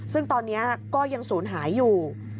ซึ่งตอนนี้ก็ยังศูนย์หายอยู่